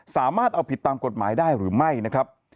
สามารถเอาผิดตามกฎหมายได้หรือไม่นะครับ